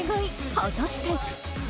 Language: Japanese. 果たして。